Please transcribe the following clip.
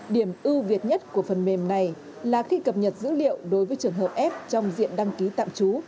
điểm ưu việt nhất của phần mềm này là khi cập nhật dữ liệu đối với trường hợp f trong diện đăng ký tạm trú